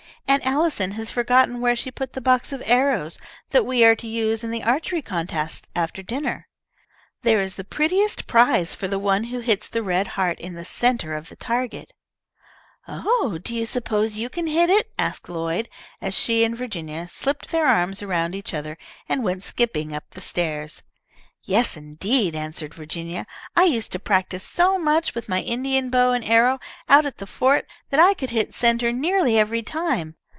Aunt Allison has forgotten where she put the box of arrows that we are to use in the archery contest after dinner. There is the prettiest prize for the one who hits the red heart in the centre of the target." "Oh, do you suppose you can hit it?" asked Lloyd, as she and Virginia slipped their arms around each other, and went skipping up the stairs. "Yes, indeed!" answered Virginia. "I used to practise so much with my Indian bow and arrow out at the fort, that I could hit centre nearly every time.